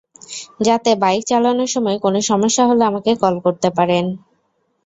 যাতে বাইক চালানোর সময় কোন সমস্যা হলে আমাকে কল করতে পারেন।